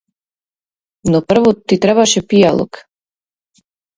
Но прво ти требаше пијалок.